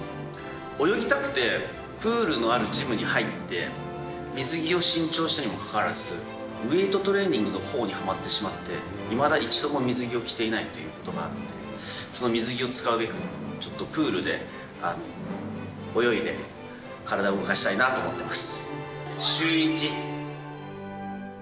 泳ぎたくて、プールのあるジムに入って、水着を新調したにもかかわらず、ウエートトレーニングのほうにはまってしまって、いまだ、一度も水着を着ていないということがあって、その水着を使うべく、ちょっとプールで泳いで、体を動かしたいなと思っています。